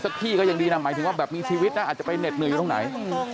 สักที่ก็ยังดีนะหมายถึงว่ามีชีวิตอาจจะไปเน็ตหนึ่งอยู่ตรงไหน